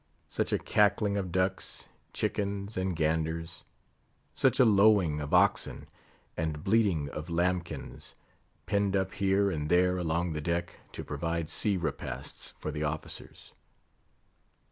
Such a cackling of ducks, chickens, and ganders; such a lowing of oxen, and bleating of lambkins, penned up here and there along the deck, to provide sea repasts for the officers.